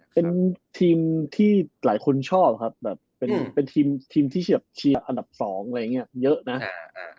เป็นทีมที่หลายคนชอบครับเป็นทีมที่เชียร์อันดับ๒เยอะนะ